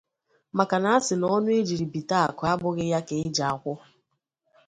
makana a sị na ọnụ ejiri bite akụ abụghị ya ka e ji akwụ